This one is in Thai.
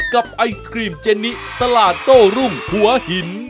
ไอศครีมเจนิตลาดโต้รุ่งหัวหิน